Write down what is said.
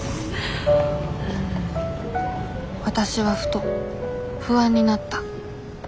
わたしはふと不安になった。